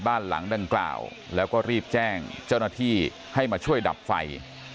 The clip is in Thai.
บ้านหลังดังกล่าวแล้วก็รีบแจ้งเจ้าหน้าที่ให้มาช่วยดับไฟ